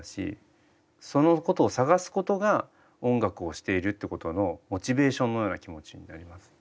そのことを探すことが音楽をしているってことのモチベーションのような気持ちになります。